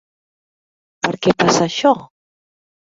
Per què passa això?